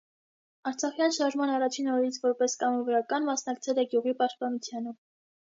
Արցախյան շարժման առաջին օրերից որպես կամավորական մասնակցել է գյուղի պաշտպանությանը։